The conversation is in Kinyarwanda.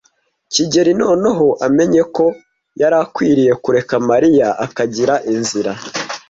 kigeli noneho amenye ko yari akwiye kureka Mariya akagira inzira ye.